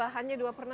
hanya dua per enam